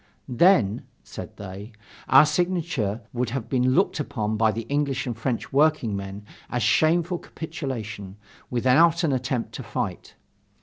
"Then," said they, "our signature would have been looked upon by the English and French workingmen as a shameful capitulation, without an attempt to fight.